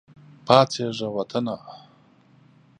پاڅیږه وطنه !